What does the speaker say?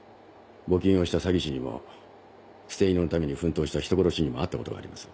募金をした詐欺師にも捨て犬のために奮闘した人殺しにも会ったことがあります。